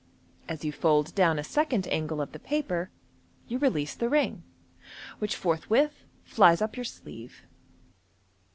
As you fold down a second angle of the paper you release the ring, which forthwith flies up your sleeve.